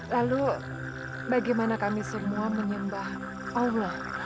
lalu bagaimana kami semua menyembah allah